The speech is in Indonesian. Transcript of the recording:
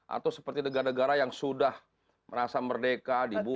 atau seperti negara negara yang sudah merasa merdeka dibuka